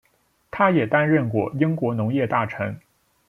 他也担任过英国农业大臣。